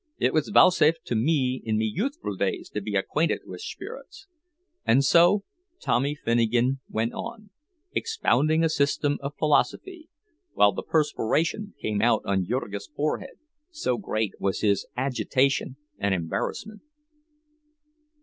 It was vouchsafed to me in me youthful days to be acquainted with shperrits" and so Tommy Finnegan went on, expounding a system of philosophy, while the perspiration came out on Jurgis' forehead, so great was his agitation and embarrassment.